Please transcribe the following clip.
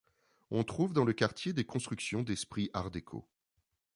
On trouve dans le quartier des constructions d’esprit Art déco.